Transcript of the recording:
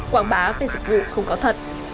quảng bá về dịch vụ không có thật